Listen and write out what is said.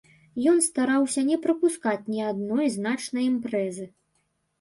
Ён стараўся не прапускаць ні адной значнай імпрэзы.